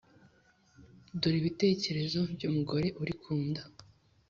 Dore ibitekerezo by’umugore uri ku nda.